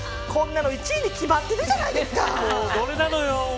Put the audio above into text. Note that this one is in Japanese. こんなの１位に決まってるじゃないですか。